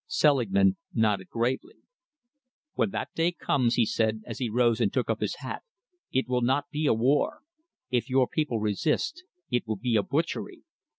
Selingman nodded gravely. "When that day comes," he said, as he rose and took up his hat, "it will not be a war. If your people resist, it will be a butchery.